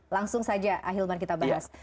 langsung saja ahilman kita bahas